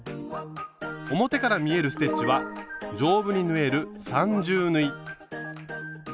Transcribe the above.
表から見えるステッチは丈夫に縫える三重縫い。